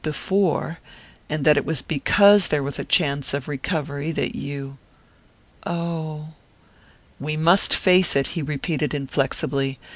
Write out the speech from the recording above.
before...and that it was because there was a chance of recovery that you " "Oh " "We must face it," he repeated inflexibly.